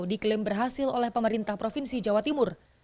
diklaim berhasil oleh pemerintah provinsi jawa timur